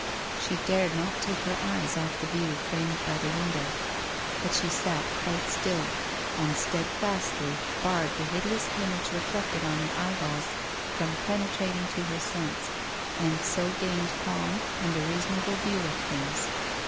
She dared not take her eyes off the view framed by the window. But she sat quite still, and steadfastly barred the hideous image reflected on her eyeballs from penetrat ing to her sense, and so gained calm and a reasonable view of things.